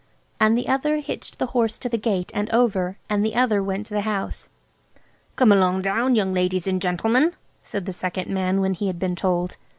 And the other hitched the horse to the gate and over, and the other went to the house. "Come along down, young ladies and gentlemen," said the second man when he had been told.